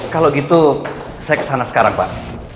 kalau gitu saya kesana sekarang pak